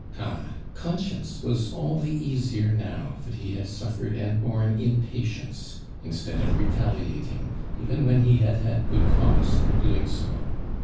Ah I conscience was all the easier now that he had sutfered and bonie in patience, instead of retaliat ing, even when he had had good cause for doing so.